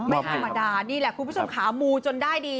ไม่ธรรมดานี่แหละคุณผู้ชมขามูจนได้ดี